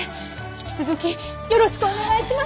引き続きよろしくお願いします！